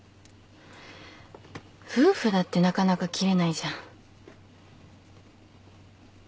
夫婦だってなかなか切れないじゃん。